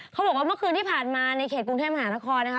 เขาบอกว่าเมื่อคืนที่ผ่านมาในเขตกรุงเทพมหานครนะคะ